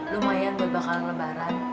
lumayan buat bakalan lebaran